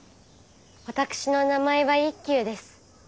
私の名前は「一究」です。